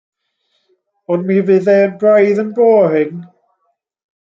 Ond mi fydd e braidd yn boring.